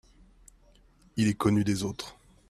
Il est connu des autres.